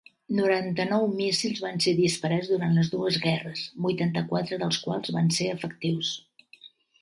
Noranta-nou míssils van ser disparats durant les dues guerres, vuitanta-quatre dels quals van ser efectius.